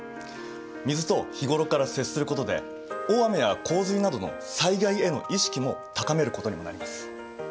水と日頃から接することで大雨や洪水などの災害への意識も高めることにもなります。